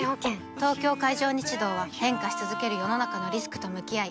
東京海上日動は変化し続ける世の中のリスクと向き合い